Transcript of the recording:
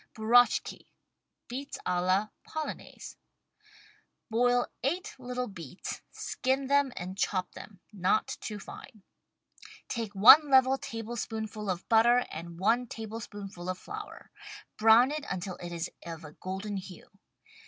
BURACHKI {Beets a la Polonaise) Boil eight little beets, skin them and chop them (not too fine). Take one level tablespoonful of butter, and one table spoonful of flour. Brown it until it is of a golden hue.